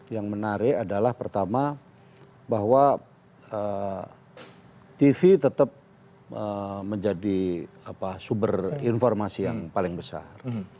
yang menarik adalah pertama bahwa tv tetap menjadi sumber informasi yang paling besar